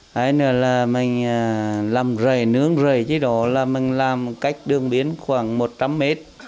đấy nữa là mình làm rầy nướng rầy chứ đó là mình làm